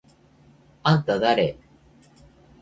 あんただれ？！？